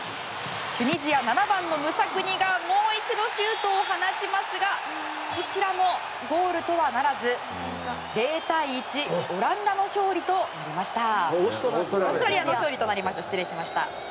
チュニジア、７番のムサクニがもう一度シュートを放ちますがこちらもゴールとはならず０対１、オーストラリアの勝利となりました。